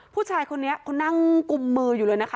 ผู้ชายคนนี้เขานั่งกุมมืออยู่เลยนะคะ